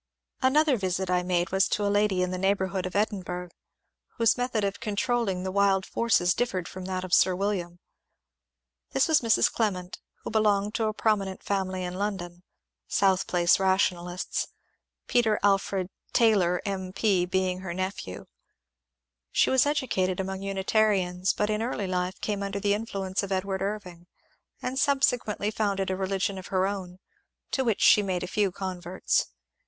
Another visit I made was to a lady in the neighbonrhood of Edinburgh whose method of controlling the wild forces dif fered from that of Sir William. This was Mrs. Clement, who belonged to a prominent &unily in London, — South Place rationalists, — Peter Alfred Taylor M. P. being her nephew. She was educated among Unitarians but in early life came imder the influence of Edward Irving, and subsequently founded a religion of her own, to which she made a few converts.